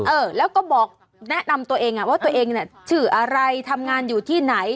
เออแล้วก็บอกแนะนำตัวเองอ่ะว่าตัวเองเนี่ยชื่ออะไรทำงานอยู่ที่ไหน